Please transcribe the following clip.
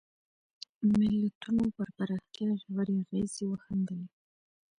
ملتونو پر پراختیا ژورې اغېزې وښندلې.